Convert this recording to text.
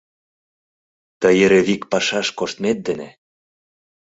Тый эре вик пашаш коштмет дене...